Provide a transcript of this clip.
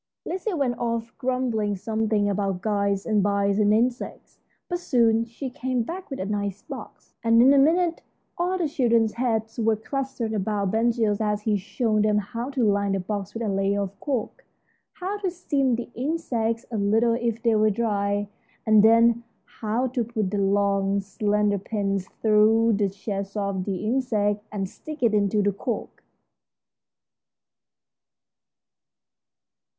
Lizzie went off grumbling something about guides and bites and insects, but soon she came back with a nice box, and in a minute all the children's heads were clustered about Ben Gile as he showed them how to line the box with a layer of cork, how to steam the insects a little if they were dry, and then how to put the long, slender pins through the chest of the insect and stick it into the cork.